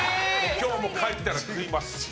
今日も帰ったら食います。